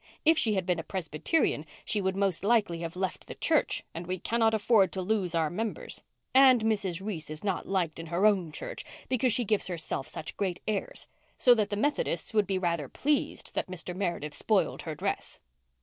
"If she had been a Presbyterian she would mostly likely have left the church and we cannot afford to lose our members. And Mrs. Reese is not liked in her own church, because she gives herself such great airs, so that the Methodists would be rather pleased that Mr. Meredith spoiled her dress."